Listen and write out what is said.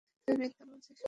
তুই মিথ্যা বলছিস?